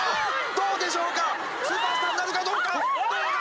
どうでしょうかスーパースターになるかどうかどうだ！？